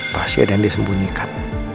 pasti ada yang disembunyikan